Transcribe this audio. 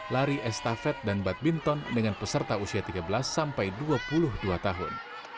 lari estafet dan badminton dengan peserta usia tiga belas sampai dua puluh dua tahun